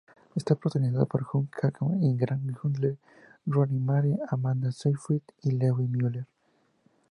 Está protagonizada por Hugh Jackman, Garrett Hedlund, Rooney Mara, Amanda Seyfried, y Levi Miller.